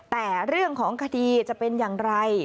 แต่เรื่องของคดีจะเป็นอย่างไร